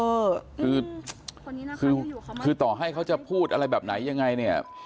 คือคือต่อให้เขาจะพูดอะไรแบบไหนยังไงเนี่ย